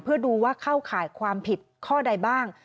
เพื่อดูว่าเข้าข่ายความผิดข้อใดบ้าง